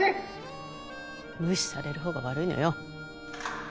無視されるほうが悪いのよ。